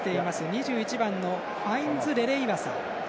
２１番のファインズレレイワサさん。